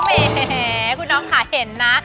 แหมคุณน้องค่ะเห็นนะ